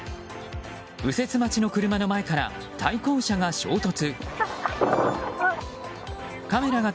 右折待ちの車の前から対向車が衝突。